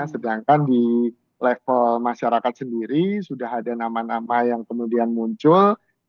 sedangkan di level masyarakat sendiri sudah ada nama nama yang kemudian muncul